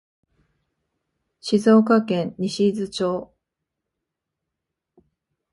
静岡県西伊豆町